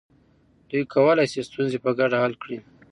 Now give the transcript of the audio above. دوی کولی سي ستونزې په ګډه حل کړي.